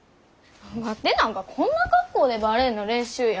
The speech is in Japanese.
ワテなんかこんな格好でバレエの練習や。